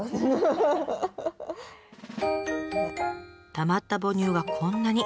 たまった母乳はこんなに。